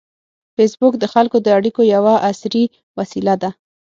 فېسبوک د خلکو د اړیکو یوه عصري وسیله ده